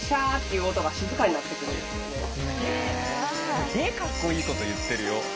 すげえかっこいいこと言ってるよ。